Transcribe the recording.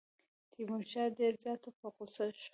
تیمورشاه ډېر زیات په غوسه شو.